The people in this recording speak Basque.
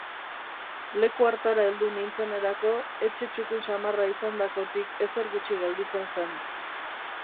Leku hartara heldu nintzenerako, etxe txukun samarra izandakotik ezer gutxi gelditzen zen.